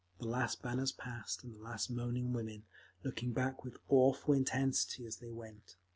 The last banners passed, and the last moaning women, looking back with awful intensity as they went.